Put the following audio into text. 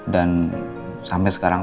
dan sampai sekarang